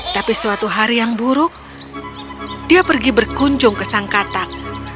tapi suatu hari yang buruk dia pergi berkunjung ke sang katak